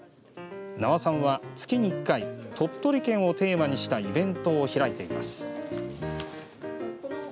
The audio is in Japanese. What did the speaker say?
名和さんは、月に１回鳥取県をテーマにしたイベントを開いています。